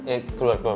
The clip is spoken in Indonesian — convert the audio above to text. eh keluar keluar